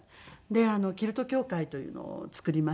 でキルト協会というのを作りまして。